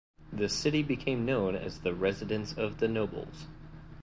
The city became known as the "residence of the nobles".